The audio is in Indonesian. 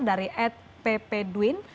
dari at ppdwin